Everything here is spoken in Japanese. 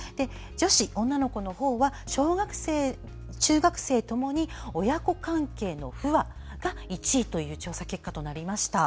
女子は小学生、中学生ともに親子関係の不和が１位という調査結果となりました。